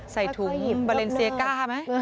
ใส่ถุงบาเลนเซียก้าไหม